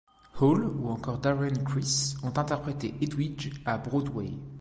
Hall ou encore Darren Criss ont interprété Hedwig à Broadway.